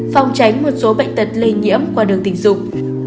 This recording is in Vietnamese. phòng tránh một số bệnh tật lây nhiễm qua đường tình dục